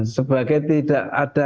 sebagai tidak ada